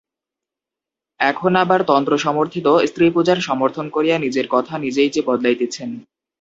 এখন আবার তন্ত্র-সমর্থিত স্ত্রী-পূজার সমর্থন করিয়া নিজের কথা নিজেই যে বদলাইতেছেন।